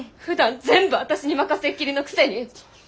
ふだん全部私に任せっきりのくせに！